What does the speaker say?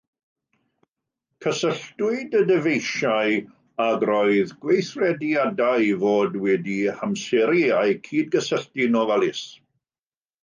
Cysylltwyd y dyfeisiau ac roedd gweithrediadau i fod wedi'u hamseru a'u cydgysylltu'n ofalus.